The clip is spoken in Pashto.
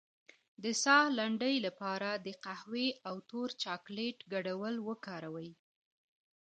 د ساه لنډۍ لپاره د قهوې او تور چاکلیټ ګډول وکاروئ